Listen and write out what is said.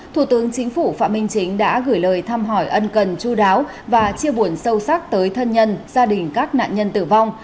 thủ tướng chính phủ phạm minh chính đã gửi lời thăm hỏi ân cần chú đáo và chia buồn sâu sắc tới thân nhân gia đình các nạn nhân tử vong